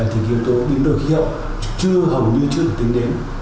thì cái yếu tố biến đổi khí hậu chưa hầu như chưa được tính đến